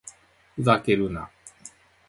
ふざけるな